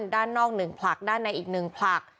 ด้านนอก๑ผลักด้านในอีก๑ผลัก